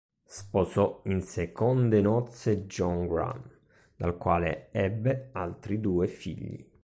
Sposò in seconde nozze John Graham dal quale ebbe altri due figli.